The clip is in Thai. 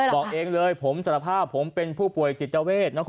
บอกเองเลยผมสารภาพผมเป็นผู้ป่วยจิตเวท